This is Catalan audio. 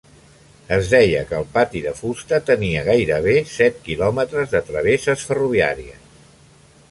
Es deia que el pati de fusta tenia gairebé set quilòmetres de travesses ferroviàries.